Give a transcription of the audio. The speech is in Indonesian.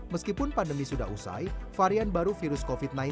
meskipun pandemi sudah usai varian baru virus covid sembilan belas